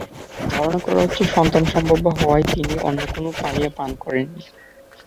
ধারণা করা হচ্ছে, সন্তানসম্ভবা হওয়ায় তিনি অন্য কোনো পানীয় পান করেননি।